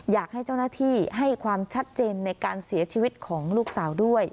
อยากให้เจ้าหน้าที่ให้ความชัดเจนในการเสียชีวิตของลูกสาวด้วย